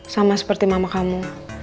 sama seperti mama kamu